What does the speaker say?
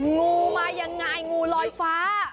งูมายังไงงูลอยฟ้า